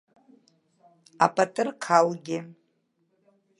Апатырқалгьы…